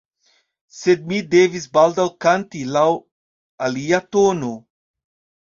Sed mi devis baldaŭ kanti laŭ alia tono.